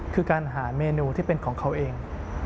คือการหาเมนูที่เป็นของเขาเอง